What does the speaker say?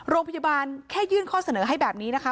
โรงพยาบาลแค่ยื่นข้อเสนอให้แบบนี้นะคะ